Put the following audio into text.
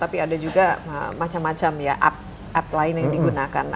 tapi ada juga macem macem ya app lain yang digunakan